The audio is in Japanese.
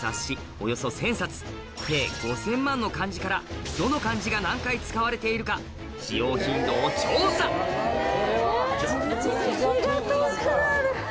およそ１０００冊計５０００万の漢字からどの漢字が何回使われているか使用頻度を調査気が遠くなる。